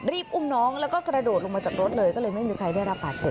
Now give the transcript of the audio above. อุ้มน้องแล้วก็กระโดดลงมาจากรถเลยก็เลยไม่มีใครได้รับบาดเจ็บ